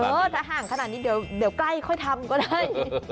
ถ้าห่างขนาดนี้เดี๋ยวใกล้ค่อยทำก็ได้